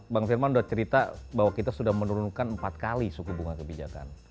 bang firman sudah cerita bahwa kita sudah menurunkan empat kali suku bunga kebijakan